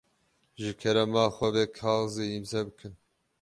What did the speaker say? Ji kerema xwe vê kaxizê îmze bikin.